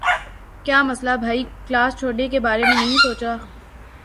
کیا مسلہ بھائی؟ کلاس چھوڑنے کے بارے میں نہیں سوچنا۔